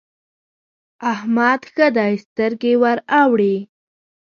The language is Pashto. احمد ښه دی؛ سترګې ور اوړي.